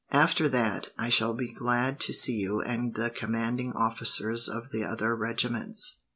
After that, I shall be glad to see you and the commanding officers of the other regiments.